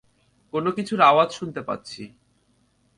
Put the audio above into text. কোনোকিছুর আওয়াজ শুনতে পাচ্ছি।